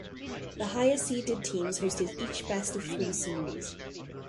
The higher seeded teams hosted each best of three series.